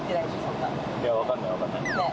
いや、分かんない、分かんなねぇ。